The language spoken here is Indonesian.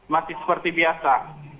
masih seperti biasa